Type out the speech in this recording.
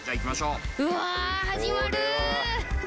うわ始まる。